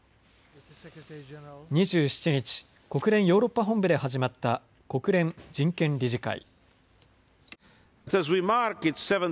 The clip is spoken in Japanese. ２７日、国連ヨーロッパ本部で始まった国連人権理事会。